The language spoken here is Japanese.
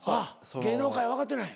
芸能界を分かってない。